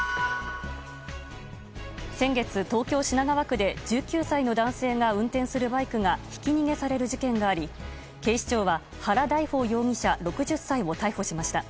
先月、東京・品川区で１９歳の男性が運転するバイクがひき逃げされる事件があり警視庁は原大豊容疑者、６０歳を逮捕しました。